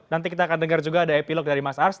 nanti kita akan dengar juga ada epilog dari mas ars